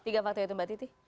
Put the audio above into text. tiga faktor itu mbak titi